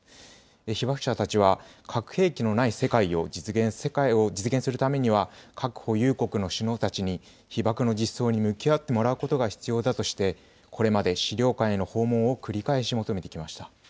被爆者たちは核兵器のない世界を実現、世界を実現するためには、核保有国の首脳たちに、被爆の実相に向き合ってもらうことが必要だとして、これまで資料館への訪問を繰り返し求めてきました。